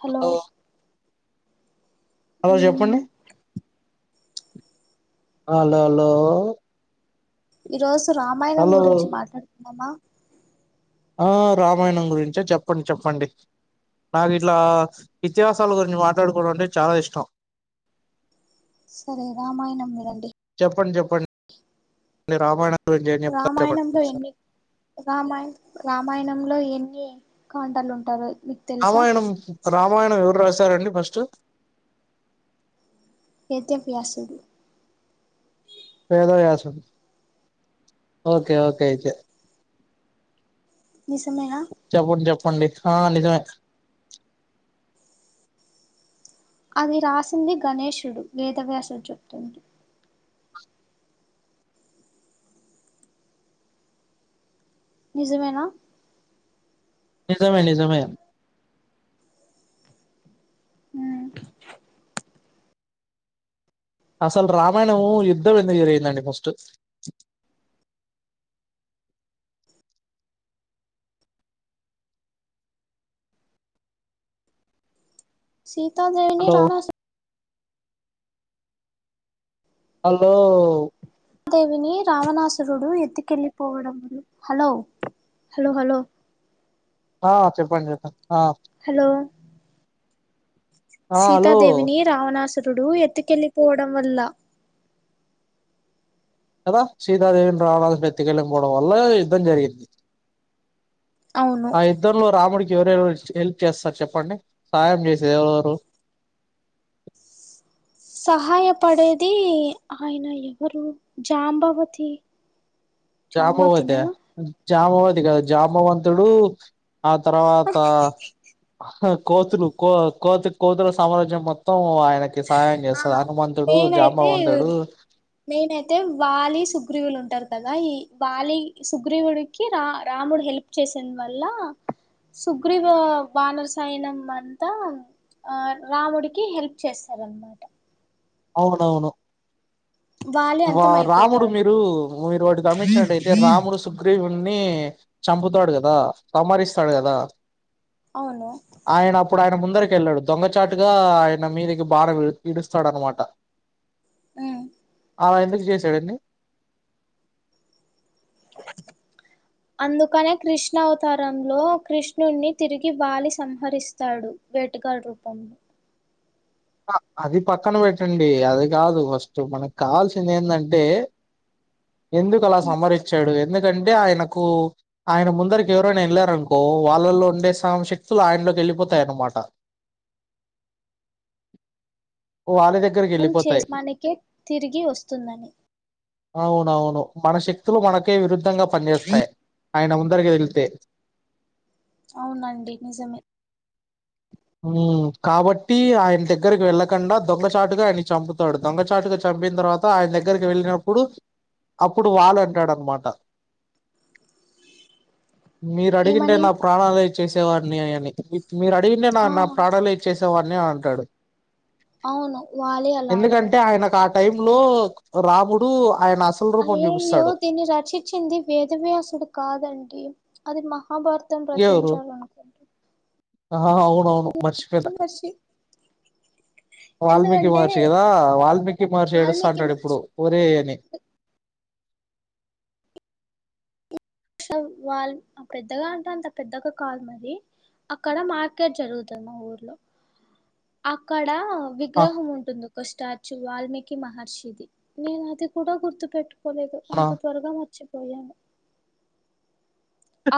Hello hello చెప్పండి hello hello ఈ రోజు రామాయణం హలో గురించి మాట్లాడుకుందామ ఆ రామాయణం గురించ చెప్పండి చెప్పండి నాకు ఇట్లా ఇతియాహసాల గురించి మాట్లాడుకోవడం అంటే చాలా ఇష్టం సరే రామాయణం వినండి చెప్పండి చెప్పండి రామాయణం గురించి ఏం చెప్తారు చెప్పండి రామాయణంలో ఒకసారి ఎన్ని రామాయణ రామాయణంలో ఎన్ని ఖండాలు ఉంటాయో రామాయణం రామాయణం ఎవరు రాశారండి ఫస్ట్ వేద వ్యాసుడు వేద వ్యాసుడు ఓకే ఓకే అయితే నిజమేనా చెప్పండి చెప్పండి ఆ నిజమే అది రాసింది గణేషుడు వేద వ్యాసుడు చెప్తుంది నిజమేనా నిజమే నిజమే ఉ అసలు రామాయణము యుద్ధం ఎందుకు జరిగిందండి ఫస్ట్ సీతాదేవిని హలో రావణాసుడు హలో సీతా దేవిని రావణాసురుడు ఎత్తుకెళ్ళిపోవడం వల్ల హలో హలో హలో ఆ చెప్పండి చెప్పండి ఆ హలో ఆ హలో సీతాదేవిని రావణాసురుడు ఎత్తుకెళ్ళలిపోవడం వల్ల కదా సీతాదేవిని రావణాసురుడు ఎత్తికెళ్ళిం పోవడం వల్ల యుద్ధం జరిగింది అవును ఆ యుద్ధం లో రాముడికి ఎవరవరు హెల్ప్ చేస్తారు చెప్పండి సాయం చేసేది ఎవరు ఎవరు సహాయపడేది ఆయన ఎవరు జాంబవతి జామవతయా జాంబవతినేనా జామావతి కాదు జామవంతుడు ఆ తర్వాత హా కోతులు కో కోతి కోతుల సామ్రాజ్యం మొత్తం ఆయనకి సహాయం చేస్తాడు ఆ హనుమంతుడు మెయిన్ అయితే జాంబవంతుడు మెయిన్ అయితే వాలి సుగ్రీవులు ఉంటారు కదా ఈ వాలి సుగ్రీవుడికి రా రాముడు హెల్ప్ చేసేందు వల్ల సుగ్రీ వానర సాయనం అంతా ఆ రాముడికి హెల్ప్ చేస్తారన్నమాట అవునవును వాలి వా అంతం రాముడు అయిపోతాడు మీరు మీరు వాటి గమనించినట్టయితే రాముడు శు గ్రీవుని చంపుతాడు కదా సమరిస్తాడు కదా అవును ఆయన అప్పుడు ఆయన ముందరికి వెళ్ళాడు దొంగచాటుగా ఆయన మీదికి బాగా విడుస్తాడు అనమాట ట ఉమ్ అలా ఎందుకు చేశాడండి అందుకనే కృష్ణ అవతారంలో కృష్ణుణ్ నీ తిరిగి బాలి సంహరిస్తాడు వేటగాడి రూపం అది పక్కన పెట్టండి అది కాదు ఫస్ట్ మనకు కావాల్సింది ఏందంటే ఎందుకు అలా సమరిచ్చాడు ఎందుకంటే ఆయనకు ఆయన ముందరికి ఎవరైనా వెళ్ళారనుకో వాళ్ళలో ఉండే సా శక్తులు ఆయనలోకి వెళ్ళిపోతాయన్నమాట ఓ ఆలలేద పన్ చేస్ మానేకే తిరిగి వస్తుందని అవును అవును మన శక్తులు మనకే విరుద్ధంగా పనిచేస్తాయి ఆయన ముందరికెళ్తే అవునండి నిజమే హ్మ్ కాబట్టి ఆయన దగ్గరకి వెళ్ళకుండా దొంగచాటుగా ఆయ చంపుతాడు దొంగచాటుగా చంపిన తర్వాత ఆయన దగ్గరకి వెళ్ళినప్పుడు అప్పుడు వాలీ అంటాడు అనమాట అ మీరు అడిగింటే నా ప్రాణాలే ఇచ్చేసేవాడిని అని మీరు అడిగింటే నా ఆ నా ప్రాణాలే చేసేవాడిని అని అంటాడు అవును వాలీ అలా అంటారు ఆయన క టైమ్ లో రాముడు ఆయన అసలు రూపం అయ్యాయో చూపిస్తాడు దీని రచీ చ్చింది వేదవ్యాసుడు కాదండి అది మహాభారతం రచించాడు అనుకుంటా ఆ అవునవును మర్చిపోయిన వాల్మీకి ఎందుకంటే మహర్షి కదా వాల్మీకి మహర్షి వాల్మీకి ఏడుస్తాంటాడు ఇప్పుడు మహర్షి ఓరే అని వాల్ ఆ పెద్దగా అంటే అంత పెద్దగా కాదు మరి అక్కడ మార్కెట్ జరుగుతుంది ఆ ఊర్లో అక్కడ ఆ విగ్రహం ఉంటుంది ఒక స్టాచ్యూ వాల్మీకి మహర్షిది నేను అది కూడా గుర్తు పెట్టుకోలేదు ఆ ఆ అంత త్వరగా మర్చిపోయాను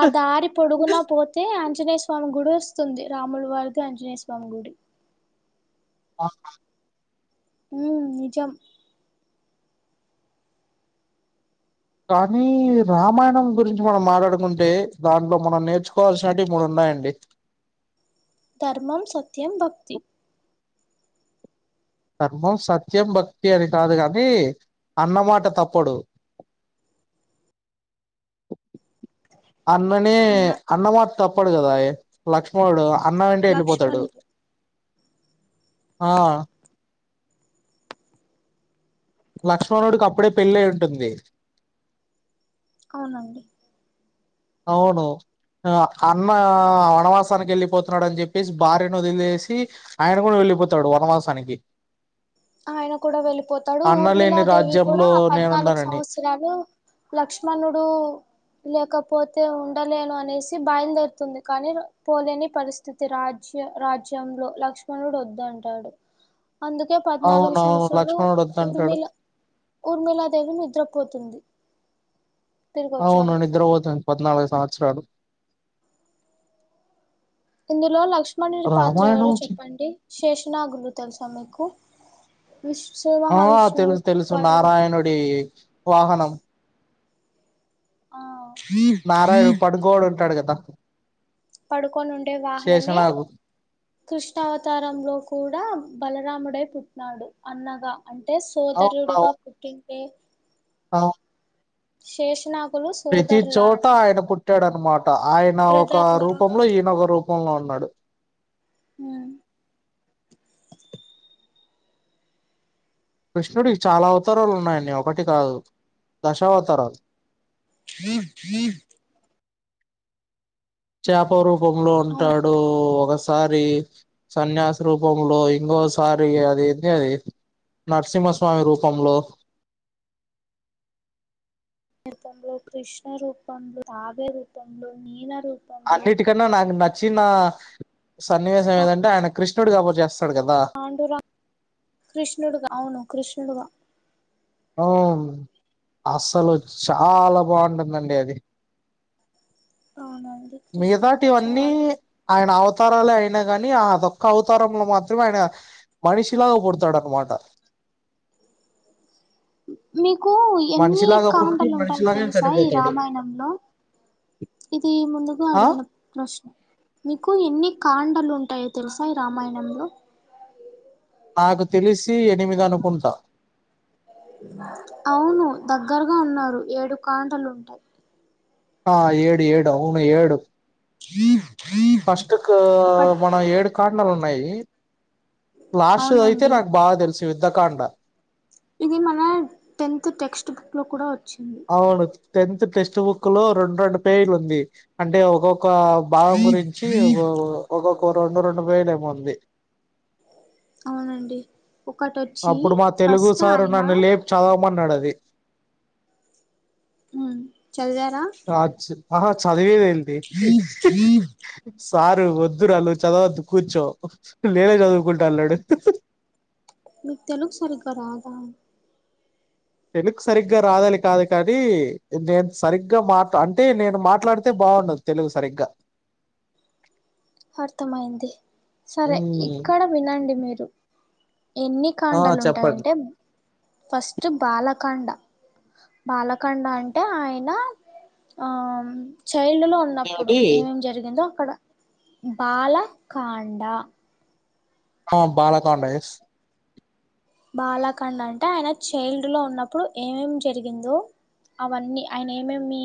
ఆ దారి పొడుగునా పోతే ఆంజనేయ స్వామి గుడి వస్తుంది రాములు వారిది ఆంజనేయ స్వామి గుడి ఆహా హ్మ్ నిజం కానీ రామాయణం గురించి మనం మాట్లాడుకుంటే దాంట్లో మనం నేర్చుకోవాల్సినటి మూడు ఉన్నాయండి ధర్మం సత్యం భక్తి ధర్మం సత్యం భక్తి అని కాదు గాని అన్నమాట తప్పడు అన్ననే అన్న అన్నమాటా తప్పడు కదా లక్ష్మణుడు అన్న వెంటే వెళ్ళిపోతాడు లక్ష్మణుడు ఆ లక్ష్మణుడికి అప్పుడే పెళ్ళయ్యి ఉంటుంది అవునండి అవును ఆ అన్న వనవాసానికి వెళ్ళిపోతున్నాడు అని చెప్పేసి భార్యను వదిలేసి ఆయన కూడా వెళ్ళిపోతాడు వనవాసానికి ఆయన కూడా వెళ్ళిపోతాడు అన్న ఊర్మిళ లేని దేవి కూడా రాజ్యంలో ఆ పద్నాలుగు నేనున్నానని సంవత్సరాలు లక్ష్మణుడు లేకపోతే ఉండలేను అనేసి బయలుదేరుతుంది కానీ పోలేని పరిస్థితి రాజ్య రాజ్యంలో లక్ష్మణుడు వద్దంటాడు అందుకే పద్నాలుగు అవునవును సంవత్సరాలు లక్ష్మణుడు వద్దంటాడు ఊర్మిళ ఊర్మిలాదేవి నిద్రపోతుంది తిరిగి అవున వచ్చాడుకు నిద్ర పోతుంది పద్నాలుగు సంవత్సరాలు ఇందులో లక్ష్మణుడి పాత్ర రామాయణం ఎవరో చి- చెప్పండి శేషనాగులు తెలుసా మీకు శ్రీ మహా విష్ణువు పడగ దీ వాహనం ఆ నారాయణ పడు గోడ్ ఉంటాడు గాద్ద పడుకొనుండే వాహనమే శేషనాగు కృష్ణావతారంలో కూడా బలరాముడై పుట్టినాడు అన్నగా అంటే సోదరుడిగా పుట్టింటే ఆ చేషినాక్ ప్రతి చోట ఆయన పుట్టాడన్నమాట ఆయన ఒక బ్రదర్ లాగా రూపంలో, ఈయనొ ఒక రూపంలో ఉన్నాడు. ఉమ్ కృష్ణుడి చాలా అవతారలు ఉన్నాయండి ఒకటి కాదు దశావతరాలు. [inaudible] చాప రూపంలో అవును ఉంటాడు ఒకాస్ సారి, సన్యాస రూపంలో ఇంకోసారి అది ఏంది అది నరసింహస్వామి రూపంలో తంలో కృష్ణ రూపంలో, తాబేలు రూపంలో ఇనా రూప్ అన్నిటిక్ కన్నా నాకు నచ్చిన సన్నివేశం ఏదంటే ఆయన కృష్ణుడుగా [unintelligible] చేస్తాడు గదా. పాండురా కృష్ణుడుగా, అవును కృష్ణుడుగా అవున్ అస్సలు చాలా బావుంటుందండి అది అవునండి కృష్ణుడుగా మిగతాటివన్నీ చాలా ఆయన అవతారాలే అయినా గాని, అదోక్క అవతారంలో మాత్రమే ఆయన మనిషిలాగా పడ్తాడు అన్నమాట. మీకు ఎన్ని మనిషిలాగా పుట్టి కాండలు ఉంటాయి మనిషిలాగే తెలుసా ఈ చనిపోతాడు రామాయణంలో. ఇది ముందుగా ఆ అడిగినం ప్రశ్న, మీకు ఎన్ని కాండలు ఉంటాయో తెలుసా ఈ రామాయణంలో. నాకు తెలిసి ఎనిమిది అనుకుంటా అవును దగ్గరగా ఉన్నారు, ఏడు కాండలుంటాయి. ఆ ఏడు, ఏడు అవును ఏడు ఫస్ట్ కు ఒక మన ఏడు కాండలు ఉన్నాయి. లాస్ట్ లో అయితే అవునండి నాక్ బాగా దెల్సు యుద్ధకాండ. ఇది మన టెన్త్ టెక్స్ట్ బుక్ లో కూడా ఒచ్చింది. అవును టెన్త్ టెక్స్ట్ బుక్ లో రెండు, రెండు పేజీలు ఉంది అంటే ఒకోక భావం గురించి [unintelligible] ఒకోక్క రెండు, రెండు వేలు ఏమో ఉంది. అవునండి ఒకటోచ్ అప్పుడు మా తెలుగు సార్ నన్ను లేపి చదవమన్నాడు అది. ఉమ్ చదివారా ఆచ్ ఆహా చదివేద దెంటి సారు వద్దు రా నువ్ చదవోద్దు కూర్చో, నేనే చదువుకుంటా అన్నాడు. మీక్ తెలుగు సరిగ్గా రాదా తెలుగు సరిగ్గా రాదానీ కాదు కానీ, నేను సరిగ్గా మాట్ అంటే నేను మాట్లాడితే బావుండదు. తెలుగు సరిగ్గా అర్థమయింది, సరే ఉమ్, ఇక్కడ వినండి మీరు ఎన్ని ఆ చెప్పండి కాండలుంటాయంటే, ఫస్ట్ బాలకాండ బాలకండ అంటే ఆయన, ఆ చైల్డ్ లో ఉన్ ఉన్నప్పుడు ఏమిటి ఏమేం జరిగిందో అక్కడ బాలకాండ ఆ బాలకాండ ఎస్ బాలఖండ్ అంటే ఆయన చైల్డ్ లో ఉన్నప్పుడు ఏమేం జరిగిందో అవన్నీ ఆయన ఏమే మీ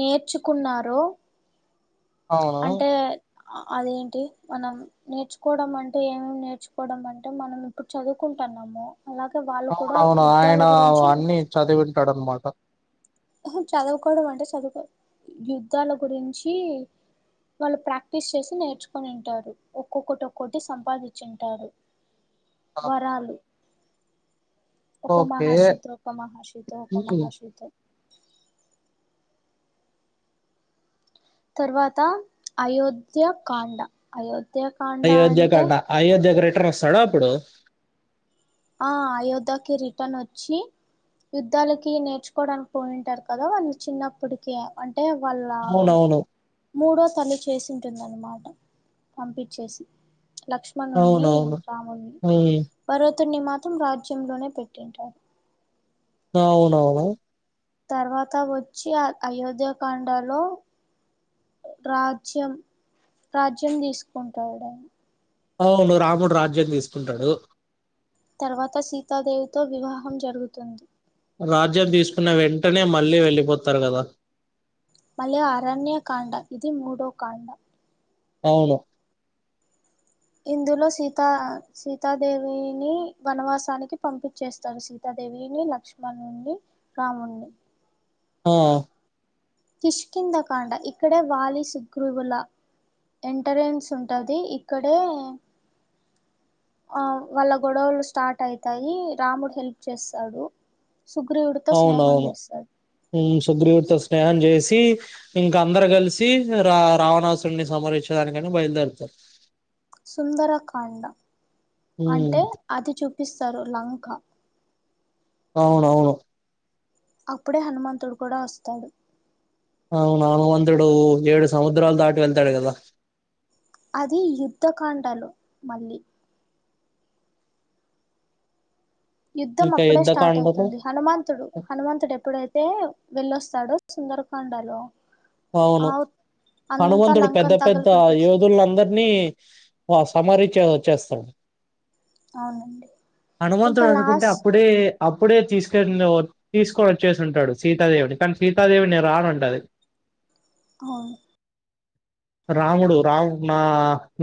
నేర్చుకున్నారో అవును అంటే అదేంటి మనం నేర్చుకోవడం అంటే ఏమేమి నేర్చుకోవడం అంటే మనం ఇప్పుడు చదువుకుంటన్నాము అలాగే వాళ్ళు కూడా యుద్ధాల గురించి చదివింటాడన్నమాట చదువుకోవడం అంటే చదువుకో యుద్ధాల గురించి వాళ్ళు ప్రాక్టీస్ చేసి నేర్చుకుొనింటారు ఒక్కొక్కటి ఒక్కొటి సంపాదించింటారు వరాలు ఒక ఓకే మహాశీతో ఒక మహాశీతో ఒక ఉమ్. మహాశీతో తర్వాత అయోధ్యకాండ అయోధ్య కా అయోధ్య కండ అయోధ్యకు రిటర్న్ వస్తాడు అప్పుడు ఆ అయోధ్యకి రిటర్ననొచ్చి యుద్ధాలకి నేర్చుకోడానికి పోయింటారు కదా వాళ్ళు చిన్నప్పటికి అంటే వాళ్ళ అవునవును మూడో తల్లి చేసింటుందన్నమాట పంపించేసి లక్ష్మ మణని అవునవును రాముని ఉమ్. పర్వతున్ని మాత్రం రాజ్యంలోనే పెట్టింటారు అవునవును తర్వాత వచ్చి ఆ అయోధ్యకాండలో రాజ్యం రాజ్యం తీస్కుంటాడన్ని అవును రాముడు రాజ్యాం తీస్కుంటాడు తర్వాత సీతాదేవితో వివాహం జరుగుతుంది రాజ్యం తీస్కున్న వెంటనే మళ్ళీ వెళ్ళిపోతారు కదా మళ్ళీ అరణ్యకాండ ఇది మూడో కాండ అవును ఇందులో సీత సీతాదేవిని వనవాసానికి పంపించేస్తారు సీతాదేవిని లక్ష్మణున్ని రామున్ని ఆ కిష్కిందకాండ ఇక్కడ వాలి సుగ్రీవుల ఎంటరెన్స్ ఉంటది ఇక్కడే ఆ వాళ్ళ గొడవలు స్టార్ట్ అవుతాయి రాముడు హెల్ప్ చేస్తాడు సుగ్రీవుడితో స్నేహం చేస్తాడు ఊ సుగ్రీవుడ్తో స్నేహం చేసి ఇంక అందరు కలిసి రా రావణాసుడిని సమరించడానికానీ బైల్దేర్తారు సుందరకాండ ఉమ్, అంటే అది చూపిస్తారు లంక అవునవును అప్పుడే హనుమంతుడు కూడా వస్తాడు అవునవును హన్మంతుడు ఏడు సముద్రాల్దాటి వెళ్తాడు కదా అది యుద్ధకాండలో మళ్ళీ యుద్ధం ఇంకా అప్పుడే స్టార్ట్ యుద్ధకాండలు అవుతుంది హనుమంతుడు హనుమంతుడు ఎప్పుడైతే వెళ్ళొస్తాడో సుందరకాండలో అవును ఆ అంతా హనుమంతుడు పెద్ద లంకను తగలు పెద్ద పెట్టేసి యోధులందర్నీ అ సమారీ చ చ్చేస్తాను అవునండి ఇంకా హనుమంతుడు అనుకుంటే లాస్ట్ అప్పుడే అప్పుడే తీసుకను తీసుకొని వచ్చేసి ఉంటాడు సీతాదేవిని కానీ సీతాదేవి నేను రాను ఉంటది ఆవును రాముడు రాము నా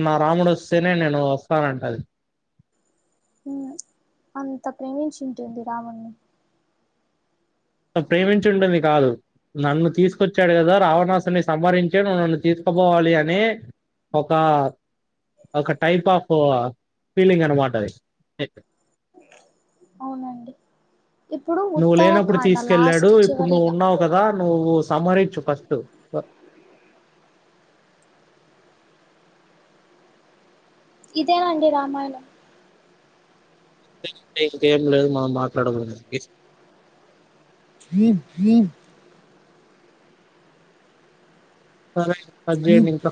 నా రాముడు వస్తేనే నేను వస్తానంటది ఊ అంత ప్రేమించింటుంది రామున్ని ప్రేమించుంటుంది కాదు నన్ను తీసుకొచ్చాడు కదా రావణాసుని సంహరించ నువు నన్ను తీసుకుపోవాలి అని ఒక ఒక టైప్ ఆఫ్ ఫీలింగ్ అనమాట అది అవునండి ఇప్పుడు నువ్వు లేనప్పుడు ఉత్తరాఖండ్ తీసుకెళ్ళాడు లాస్ట్ ఇప్పుడు నువ్వు చివరిగా ఉన్నావు కదా నువు సంహరించ్చు ఫస్ట్ ఇదేనండి రామాయణం ఇంకేం లేదు మనం మాట్లాడకూడదు జ సరే కట్ జేయండి ఇంకా